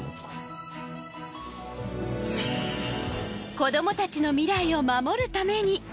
子どもたちの未来を守るために！